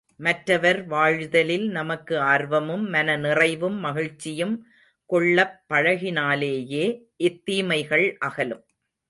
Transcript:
மற்றவர் வாழ்தலில் நமக்கு ஆர்வமும், மன நிறைவும் மகிழ்ச்சியும் கொள்ளப் பழகினாலேயே இத் தீமைகள் அகலும்.